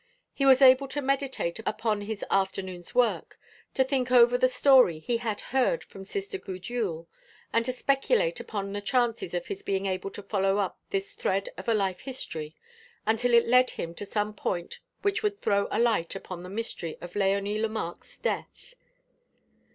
He was able to meditate upon his afternoon's work, to think over the story he had heard from Sister Gudule, and to speculate upon the chances of his being able to follow up this thread of a life history until it led him to some point which would throw a light upon the mystery of Léonie Lemarque's death.